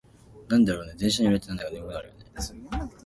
なんでだろう、電車の揺れってなんだか眠くなるよね。